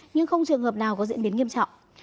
nhưng không trường hợp nào có diễn biến nghiêm trọng